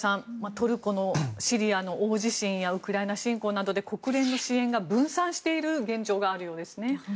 トルコ・シリアの大地震やウクライナ侵攻などで国連の支援が分散している現状があるようですね。